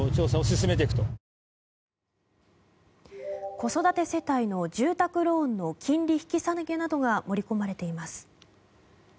子育て世帯の住宅ローンの金利引き下げなどが盛り込まれています。